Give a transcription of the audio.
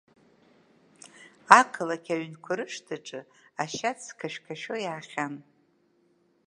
Ақалақь аҩнқәа рышҭаҿы ашьац қашәқашәо иаахьан.